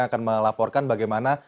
yang akan melaporkan bagaimana